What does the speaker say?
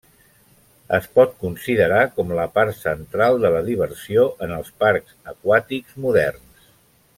Es pot considerar com la part central de la diversió en els parcs aquàtics moderns.